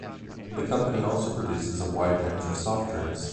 The company also produces a wide range of soft drinks.